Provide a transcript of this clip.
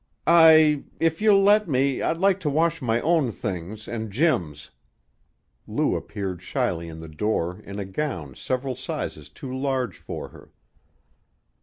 "I if you'll let me, I'd like to wash my own things and Jim's." Lou appeared shyly in the door in a gown several sizes too large for her.